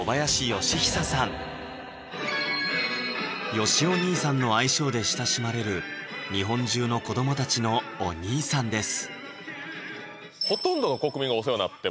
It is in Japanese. よしお兄さんの愛称で親しまれる日本中の子どもたちのお兄さんです